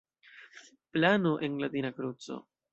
Plano en latina kruco.